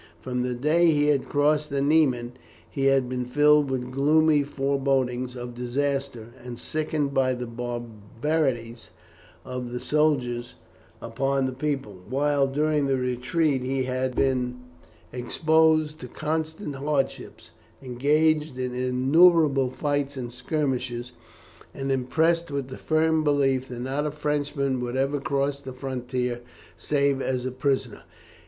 From the day that he had crossed the Niemen he had been filled with gloomy forebodings of disaster, and sickened by the barbarities of the soldiers upon the people, while, during the retreat, he had been exposed to constant hardship, engaged in innumerable fights and skirmishes, and impressed with the firm belief that not a Frenchman would ever cross the frontier save as a prisoner.